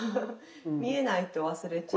見えないと忘れちゃう。